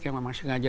yang memang sengaja